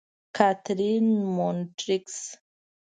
کاترین: مونټریکس.